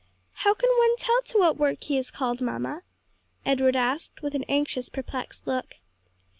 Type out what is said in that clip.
"How can one tell to what work he is called, mamma?" Edward asked, with an anxious, perplexed look.